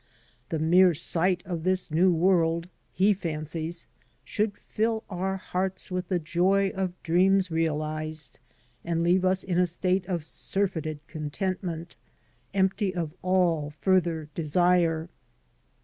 The mere sight of this new world, he fancies, should fill our hearts with the joy of dreams realized and leave us in a state of surfeited contentment, empty of all further desire.